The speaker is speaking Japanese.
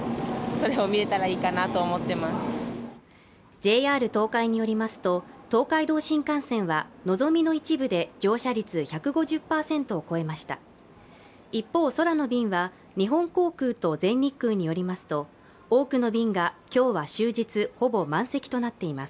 ＪＲ東海によりますと、東海道新幹線はのぞみの一部で乗車率１５０％を超えました一方、空の便は日本航空と全日空によりますと多くの便が今日は終日、ほぼ満席となっています。